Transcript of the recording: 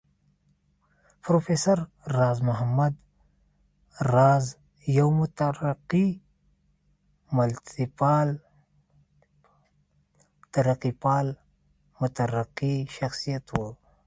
پروفېسر راز محمد راز يو مترقي ملتپال، ترقيپال مترقي شخصيت و